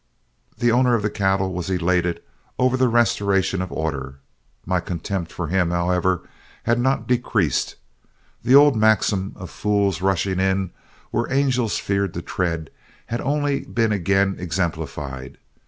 The owner of the cattle was elated over the restoration of order. My contempt for him, however, had not decreased; the old maxim of fools rushing in where angels feared to tread had only been again exemplified.